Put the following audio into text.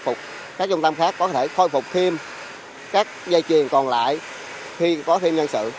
phục các trung tâm khác có thể khôi phục thêm các dây chuyền còn lại khi có thêm nhân sự